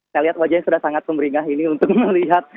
saya lihat wajahnya sudah sangat pemberingah ini untuk melihat